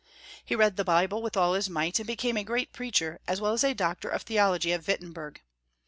He read the Bible with all his might, and became a great preach er, as well as a doctor of theology at Wittenberg.